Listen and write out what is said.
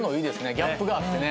ギャップがあってね。